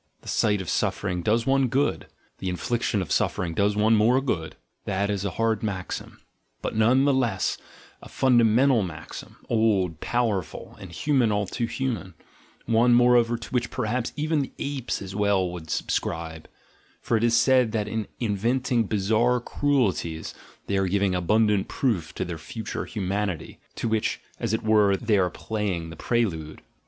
The sight of suffering does one good, the infliction of suffering does one more good — this is a hard maxim, but none the less a fundamental maxim, old, powerful, and "human, all too human"; one, moreover, to which perhaps even the apes as well would subscribe: for it is said that in inventing bizarre cruelties they are giving abundant proof of their future humanity, to which, as it were, they are playing the prelude.